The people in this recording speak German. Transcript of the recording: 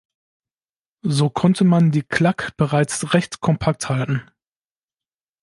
So konnte man die Clack bereits recht kompakt halten.